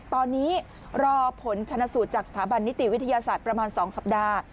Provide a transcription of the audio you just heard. ตอนนี้รอผลชนะสูตรจากสถาบันนิติวิทยาศาสตร์ประมาณ๒สัปดาห์